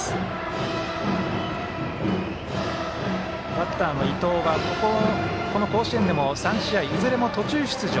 バッターの伊藤はこの甲子園でも３試合、いずれも途中出場。